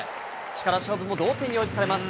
力勝負も同点に追いつかれます。